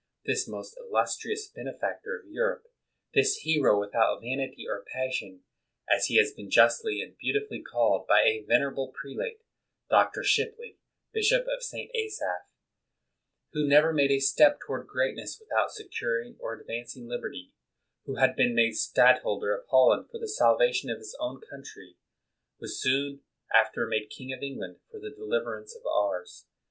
This most illustrious benefactor of Europe, this *' hero without vanity or passion, " as he has been justly and beautifully called by a venerable prel ate [Doctor Shipley, Bishop of St. Asaph], who never made a step toward greatness without securing or advancing liberty, who had been made Stadtholder of Holland for the salvation of his own country, was soon after made king of England for the deliverance of ours.